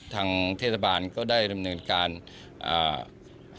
ทางเทศบาลก็ได้ดำเนินการอ่า